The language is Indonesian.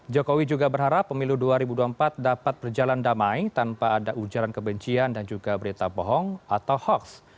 jokowi juga berharap pemilu dua ribu dua puluh empat dapat berjalan damai tanpa ada ujaran kebencian dan juga berita bohong atau hoax